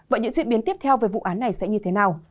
vậy những diễn biến tiếp theo về vụ án này sẽ như thế nào